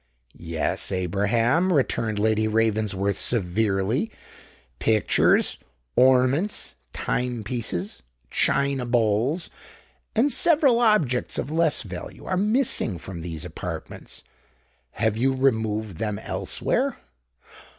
"Yes, Abraham," returned Lady Ravensworth, severely: "pictures—ornaments—time pieces—China bowls—and several objects of less value are missing from these apartments. Have you removed them elsewhere?"